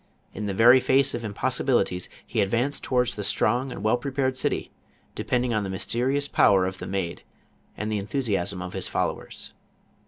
In the very face of impossibilities, he advanced towards the strong and well prepared city, depending on the mysterious power of th(Alaid and the enthusiasm of his followers.